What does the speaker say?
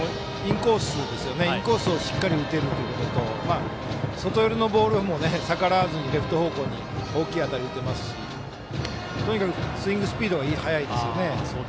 インコースをしっかり打てるということと外寄りのボールは逆らわずにレフト方向に大きい当たりを打てますしとにかくスイングスピードが速いですね。